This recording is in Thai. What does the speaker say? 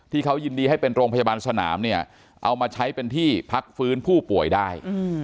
ที่เขายินดีให้เป็นโรงพยาบาลสนามเนี่ยเอามาใช้เป็นที่พักฟื้นผู้ป่วยได้